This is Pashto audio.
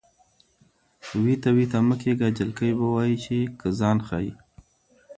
وېته وېته مه کېږه جلکۍ به وایې چې که ځان ښایې.